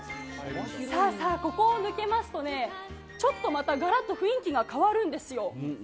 さあさあ、ここを抜けますと、ちょっとまたがらっと雰囲気が変わるんですよ。